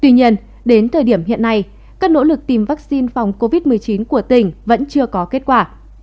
tuy nhiên đến thời điểm hiện nay các nỗ lực tìm vaccine phòng covid một mươi chín của tỉnh vẫn chưa có kết quả